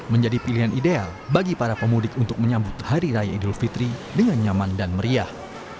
menjadi pilihan ideal bagi para pemudik untuk menyambut hari raya idul fitri dengan nyaman dan meriah